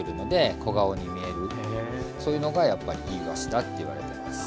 そういうのがやっぱりいいいわしだっていわれてます。